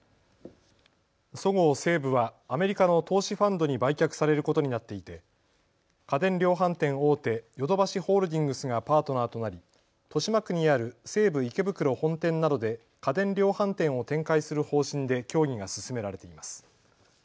そごう・西武はアメリカの投資ファンドに売却されることになっていて家電量販店大手、ヨドバシホールディングスがパートナーとなり豊島区にある西武池袋本店などで家電量販店を展開する方針で協議が進められています。